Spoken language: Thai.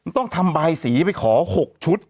ต้องทำบายสีไปขอ๖ชุด